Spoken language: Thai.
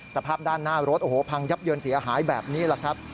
สภาพด้านหน้ารถโอ้โหพังยับเยินเสียหายแบบนี้แหละครับ